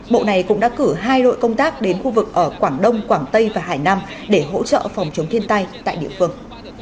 bộ này cũng đã cử hai đội công tác đến khu vực ở quảng đông quảng tây và hải nam để hỗ trợ phòng chống thiên tai tại địa phương